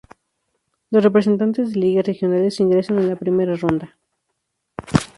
Los representantes de Ligas Regionales ingresan en la Primera Ronda.